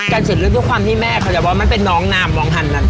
การเสร็จเรื่องที่แม่เขาจะบอกมันเป็นน้องนามมองหันนั่น